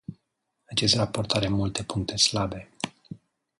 Acest raport are multe puncte slabe.